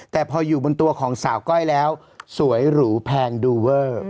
แต่พออยู่บนตัวของสาวก้อยแล้วสวยหรูแพงดูเวอร์